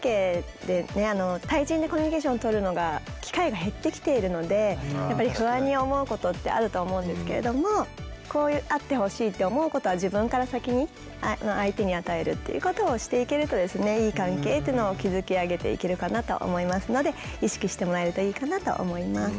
対人でコミュニケーションとるのが機会が減ってきているのでやっぱり不安に思うことってあると思うんですけれどもこうあってほしいって思うことは自分から先に相手に与えるっていうことをしていけるといい関係っていうのを築き上げていけるかなと思いますので意識してもらえるといいかなと思います。